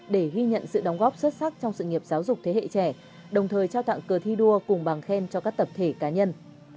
để ghi nhận sự đóng góp xuất sắc trong sự nghiệp giáo dục thế hệ trẻ đồng thời trao tặng cờ thi đua cùng bằng khen cho các tập thể cá nhân